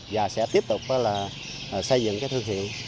và sẽ tiếp tục là xây dựng cái thương hiệu